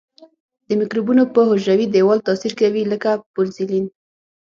د مکروبونو په حجروي دیوال تاثیر کوي لکه پنسلین.